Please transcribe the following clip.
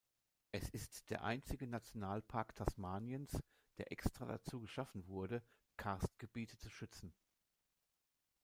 Es ist der einzige Nationalpark Tasmaniens, der extra dazu geschaffen wurde, Karstgebiete zu schützen.